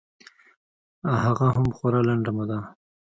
هغه هم خورا لنډه موده.